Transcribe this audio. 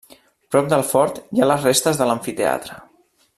Prop del fort hi ha les restes de l'amfiteatre.